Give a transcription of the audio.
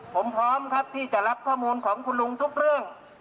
ผมพร้อมครับที่จะรับข้อมูลของคุณลุงทุกเรื่อง